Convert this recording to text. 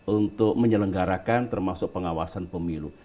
untuk menyelenggarakan termasuk pengawasan pemilu